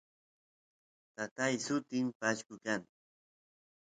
tatay sutin pashku kan